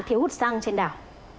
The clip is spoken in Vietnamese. thiếu hụt xăng trên đảo